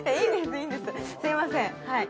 いいんです、すみません。